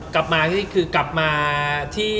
กลับมานี่คือกลับมาที่